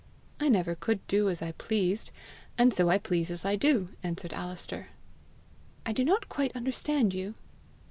"I never could do as I pleased, and so I please as I do," answered Alister. "I do not quite understand you."